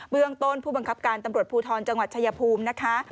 เรื่องต้นผู้บังคับการตำรวจภูทรจังหวัดชายภูมินะคะ